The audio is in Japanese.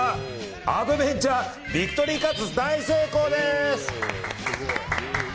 アドベンチャービクトリーカツ大成功です！